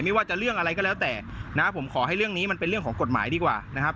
ไม่ว่าจะเรื่องอะไรก็แล้วแต่นะผมขอให้เรื่องนี้มันเป็นเรื่องของกฎหมายดีกว่านะครับ